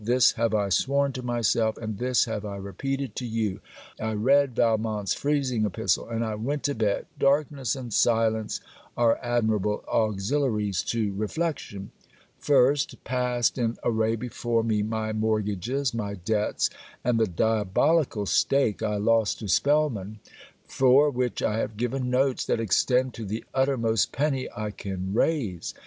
This have I sworn to myself: and this have I repeated to you. I read Valmont's freezing epistle and I went to bed. Darkness and silence are admirable auxiliaries to reflection. First, past in array before me my mortgages, my debts, and the diabolical stake I lost to Spellman for which I have given notes that extend to the uttermost penny I can raise.